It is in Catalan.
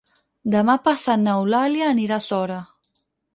Demà passat n'Eulàlia anirà a Sora.